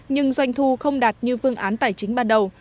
nhưng doanh thu không đạt như phương án tài chính ban đầu